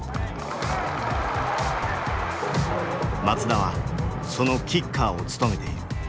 松田はそのキッカーを務めている。